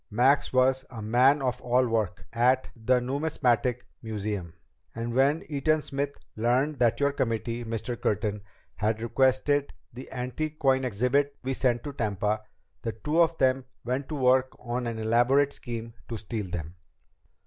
Max was a man of all work at the Numismatic Museum, and when Eaton Smith learned that your committee, Mr. Curtin, had requested that the antique coin exhibit be sent to Tampa, the two of them went to work on an elaborate scheme to steal them.